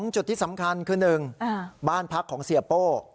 จุดที่สำคัญคือ๑บ้านพักของเสียโป้